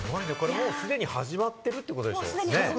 既に始まってるってことでしょ？